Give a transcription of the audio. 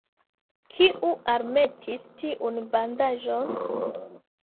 Kiu almetis tiun bandaĝon?